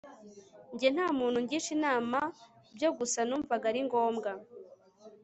Njye ntamuntu ngisha inama byo gusa numvaga ari ngombwa